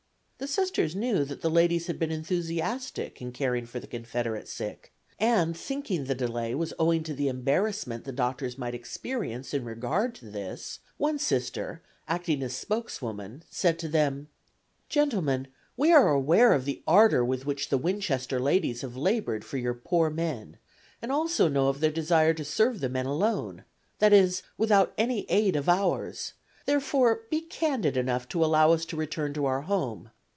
The Sisters knew that the ladies had been enthusiastic in caring for the Confederate sick and, thinking the delay was owing to the embarrassment the doctors might experience in regard to this, one Sister, acting as spokeswoman, said to them: "Gentlemen, we are aware of the ardor with which the Winchester ladies have labored for your poor men, and also know of their desire to serve the men alone that is, without any aid of ours; therefore be candid enough to allow us to return to our home.